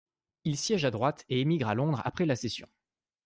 Il siège à droite et émigre à Londres après la session.